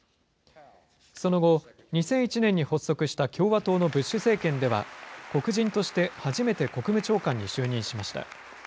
その後、２００１年に発足した共和党のブッシュ政権では、黒人として初めて国務長官に就任しました。